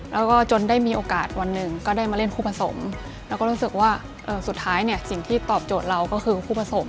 แล้วก็จนได้มีโอกาสวันหนึ่งก็ได้มาเล่นคู่ผสมเราก็รู้สึกว่าสุดท้ายเนี่ยสิ่งที่ตอบโจทย์เราก็คือคู่ผสม